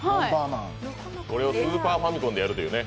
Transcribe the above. これをスーパーファミコンでやるというね。